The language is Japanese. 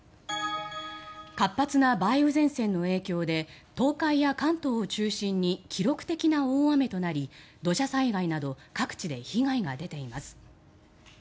活発な梅雨前線の影響で東海や関東を中心に記録的な大雨となり土砂災害など各地で被害が出ています。